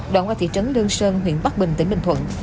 đoạn qua thị trấn lương sơn huyện bắc bình tỉnh bình thuận